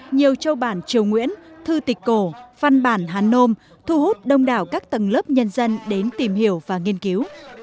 nhiều châu bản triều nguyễn thư tịch cổ phân bản hàn nôm thu hút đông đảo các tầng lớp nhân dân đến tìm hiểu và nghiên cứu